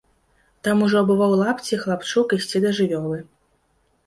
Там ужо абуваў лапці хлапчук ісці да жывёлы.